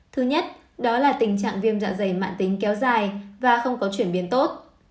thứ nhất đó là tình trạng viêm dạ dày mạng tính kéo dài và không có chuyển biến tốt